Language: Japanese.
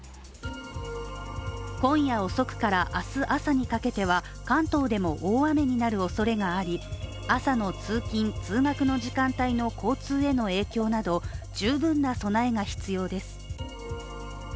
今夜遅くから明日朝にかけては関東でも大雨になるおそれがあり朝の通勤・通学の時間帯の交通への影響など十分な備えが必要です。